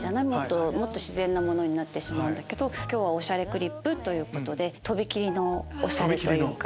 もっと自然なものになってしまうんだけど今日は『おしゃれクリップ』ということで。